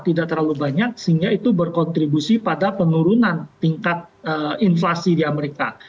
tidak terlalu banyak sehingga itu berkontribusi pada penurunan tingkat inflasi di amerika